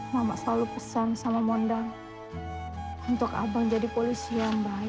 mama selalu pesan sama mondang untuk abang jadi polisi yang baik